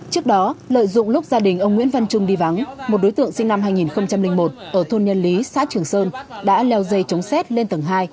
trước đó lợi dụng lúc gia đình ông nguyễn văn trung đi vắng một đối tượng sinh năm hai nghìn một ở thôn nhân lý xã trường sơn đã leo dây chống xét lên tầng hai